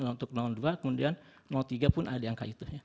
lima puluh tujuh untuk dua kemudian tiga pun ada angka itu